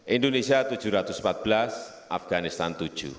indonesia tujuh ratus empat belas afganistan tujuh